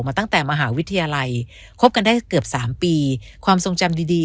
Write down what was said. ตั้งแต่มหาวิทยาลัยคบกันได้เกือบสามปีความทรงจำดีดี